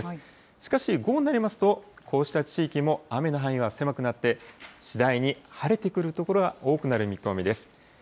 しかし、午後になりますと、こうした地域も雨の範囲は狭くなって、次第に晴れてくる所が多くなる見込みです。